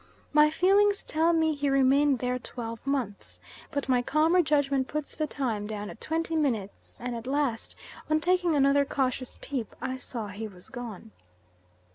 My feelings tell me he remained there twelve months, but my calmer judgment puts the time down at twenty minutes; and at last, on taking another cautious peep, I saw he was gone.